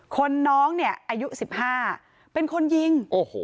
น้องเนี่ยอายุ๑๕เป็นคนยิง